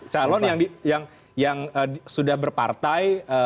calon yang sudah berpartai